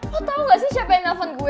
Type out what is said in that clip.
lo tau gak sih siapa yang nge phone gue